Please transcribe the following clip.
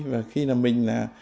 và khi là mình là